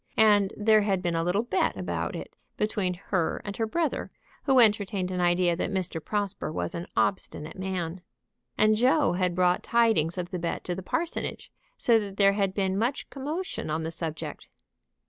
And there had been a little bet about it between her and her brother, who entertained an idea that Mr. Prosper was an obstinate man. And Joe had brought tidings of the bet to the parsonage, so that there had been much commotion on the subject.